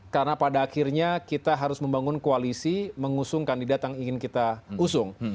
karena pada akhirnya kita harus membangun koalisi mengusung kandidat yang ingin kita usung